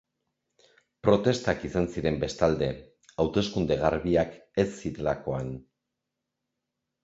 Protestak izan ziren bestalde, hauteskunde garbiak ez zirelakoan.